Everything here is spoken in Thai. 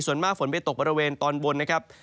ส่วนมากฝนไปตกบริเวณตอนบน